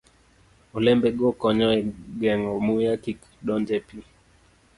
Olembego konyo e geng'o muya kik donj e pi.